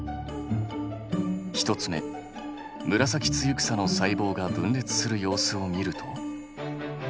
１つ目ムラサキツユクサの細胞が分裂する様子を見ると。